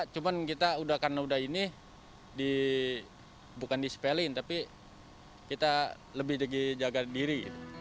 cuman kita karena udah ini bukan dispelin tapi kita lebih lagi jaga diri